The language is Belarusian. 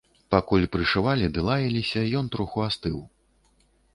Пакуль прышывалі ды лаяліся, ён троху астыў.